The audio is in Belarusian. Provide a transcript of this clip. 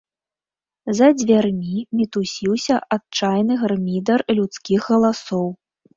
За дзвярмі мітусіўся адчайны гармідар людскіх галасоў.